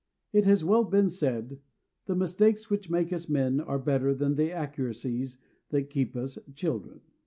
It has well been said: "The mistakes which make us men are better than the accuracies that keep us children."